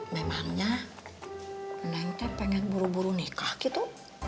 memangnya neneknya pengen buru buru nikah gitu